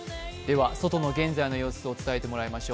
外の現在の様子を伝えてもらいましょう。